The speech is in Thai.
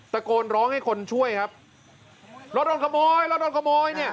ตะโกนร้องให้คนช่วยครับรถโดนขโมยรถโดนขโมยเนี่ย